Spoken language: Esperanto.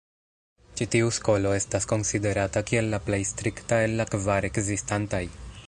Ĉi tiu skolo estas konsiderata kiel la plej strikta el la kvar ekzistantaj.